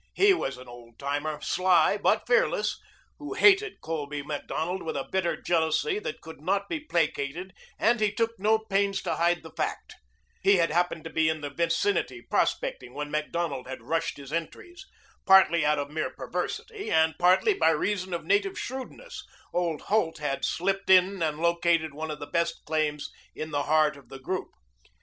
He was an old timer, sly but fearless, who hated Colby Macdonald with a bitter jealousy that could not be placated and he took no pains to hide the fact. He had happened to be in the vicinity prospecting when Macdonald had rushed his entries. Partly out of mere perversity and partly by reason of native shrewdness, old Holt had slipped in and located one of the best claims in the heart of the group.